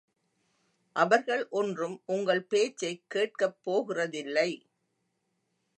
அவர்கள் ஒன்றும் உங்கள் பேச்சைக் கேட்கப் போகிறதில்லை!